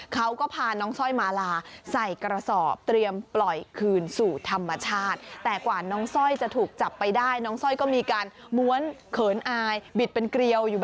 อยู่แบบนี้เหมือนกันนี่ค่ะน้องสร้อยโอ้โหน้องสร้อย